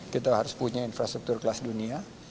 kita harus punya infrastruktur kelas dunia